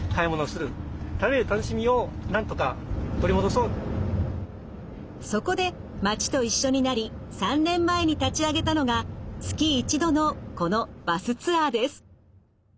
その一方でそこで町と一緒になり３年前に立ち上げたのが月一度のこのバスツアーです。